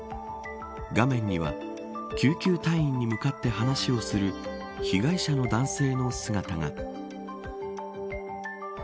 画面には救急隊に向かって話をする被害者の男性の姿が。